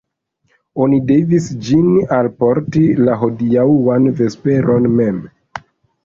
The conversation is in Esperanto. Oni devis ĝin alporti la hodiaŭan vesperon mem.